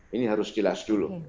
ini harus jelas dulu